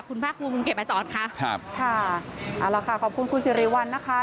คุณภาคภูมิคุณเขตมาสอนค่ะครับค่ะเอาล่ะค่ะขอบคุณคุณสิริวัลนะคะ